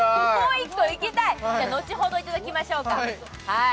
後ほどいただきましょうか。